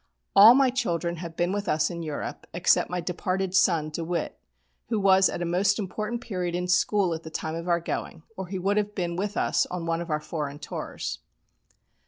All my children have been with us in Europe, except my departed son, DeWitt, who was at a most important period in school at the time of our going, or he would have been with us on one of our foreign tours.